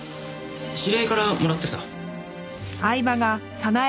知り合いからもらってさ。